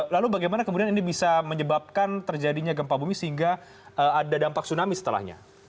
lalu bagaimana kemudian ini bisa menyebabkan terjadinya gempa bumi sehingga ada dampak tsunami setelahnya